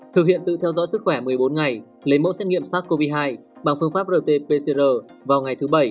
thực hiện tự theo dõi sức khỏe một mươi bốn ngày lấy mẫu xét nghiệm sars cov hai bằng phương pháp rt pcr vào ngày thứ bảy